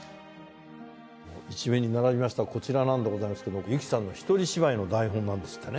一面に並びましたこちらなんでございますけども由紀さんのひとり芝居の台本なんですってね。